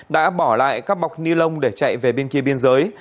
đã bỏ lại các bọc ni lông để chạy về bên kia biên giới